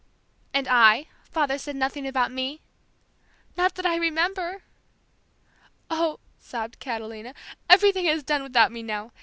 '" "And I? Father said nothing about me?" "Not that I remember." "Oh," sobbed Catalina, "everything is done without me now!